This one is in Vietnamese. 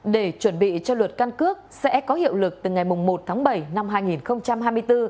để chuẩn bị cho luật căn cước sẽ có hiệu lực từ ngày một tháng bảy năm hai nghìn hai mươi bốn